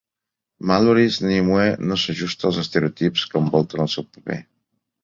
Malory's Nimue no s'ajusta als estereotips que envolten el seu paper.